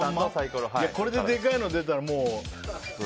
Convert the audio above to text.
これででかいの出たらもう。